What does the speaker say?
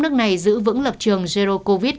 nước này giữ vững lập trường zero covid